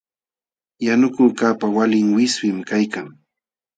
Yanukuqkaqpa walin wiswim kaykan.